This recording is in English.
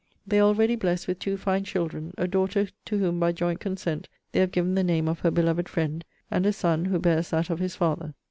They are already blessed with two fine children; a daughter, to whom, by joint consent, they have given the name of her beloved friend; an a son, who bears that of his father.